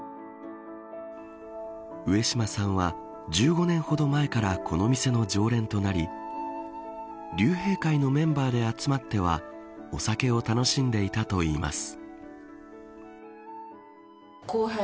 上島さんは１５年ほど前からこの店の常連となり竜兵会のメンバーで集まってはお酒を楽しんでいたといいます。